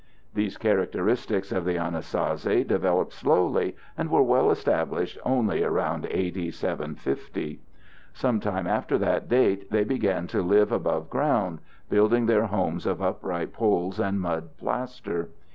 These characteristics of the Anasazi developed slowly and were well established only around A.D. 750. Sometime after that date they began to live above ground, building their homes of upright poles and mud plaster.